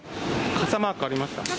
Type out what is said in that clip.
傘マークありました。